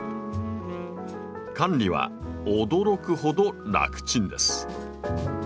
管理は驚くほどラクちんです。